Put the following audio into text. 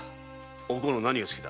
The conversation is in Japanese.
お甲の何が好きだ？